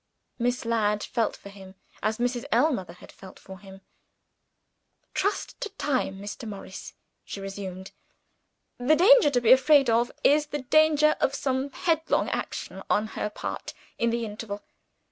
Miss Ladd felt for him, as Mrs. Ellmother had felt for him. "Trust to time, Mr. Morris," she resumed. "The danger to be afraid of is the danger of some headlong action, on her part, in the interval.